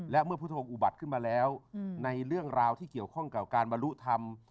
และเมื่อพุทธองค์อุบัติขึ้นมาแล้วในเรื่องราวที่เกี่ยวข้องกับการบรรลุธรรม